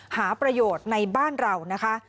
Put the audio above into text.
หาประโยชน์ในบ้านเรานะคะ